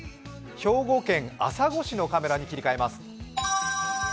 兵庫県朝来市のカメラに切り替えます。